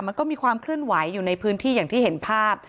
มันก็มีความเคลื่อนไหวอยู่ในพื้นที่อย่างที่เห็นภาพ